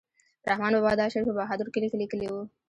رحمان بابا دا شعر په بهادر کلي کې لیکلی و.